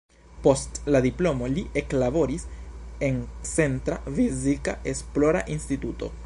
Post la diplomo li eklaboris en "Centra Fizika Esplora Instituto".